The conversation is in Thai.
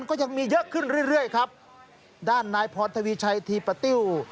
ก็ยังมีเยอะขึ้นเรื่อยครับด้านนายพรธวิชัยธีปติ้ว